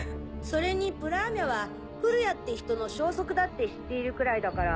それにプラーミャは降谷って人の消息だって知っているくらいだから。